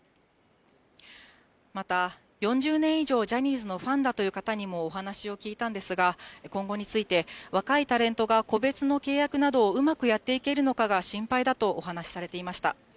また、４０年以上ジャニーズのファンだという方にもお話を聞いたんですが、今後について、若いタレントが個別の契約などをうまくやっていけるのかが心配だとお話されていました。